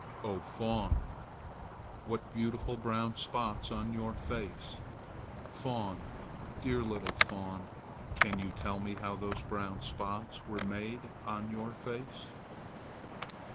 "Oh, fawn! What beautiful brown spots on your face! Fawn, dear little fawn, can you tell me how those brown spots were made on your face?"